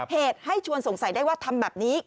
เหตุให้ชวนสงสัยได้ว่าทำแบบนี้